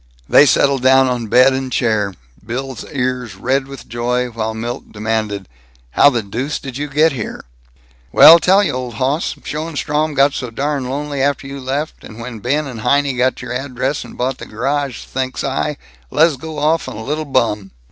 They settled down on bed and chair, Bill's ears red with joy, while Milt demanded: "How the deuce did you get here?" "Well, tell you, old hoss. Schoenstrom got so darn lonely after you left, and when Ben and Heinie got your address and bought the garage, think's I, lez go off on a little bum."